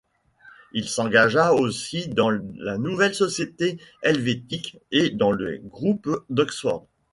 Il s’engagea aussi dans la Nouvelle Société Helvétique et dans les Groupes d’Oxford.